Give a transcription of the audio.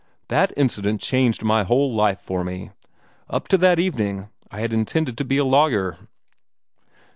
That incident changed my whole life for me. Up to that evening, I had intended to be a lawyer."